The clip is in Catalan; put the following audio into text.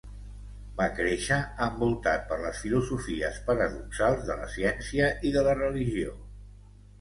Va créixer envoltat per les filosofies paradoxals de la ciència i de la religió.